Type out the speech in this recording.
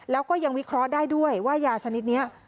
แล้วก็ยังวิเคราะห์ได้ด้วยว่ายาชนิดนี้